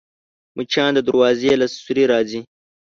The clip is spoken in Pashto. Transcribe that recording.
مچان د دروازې له سوري راځي